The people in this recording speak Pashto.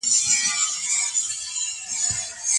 په لاس لیکل د ستونزو د حل وړتیا لوړوي.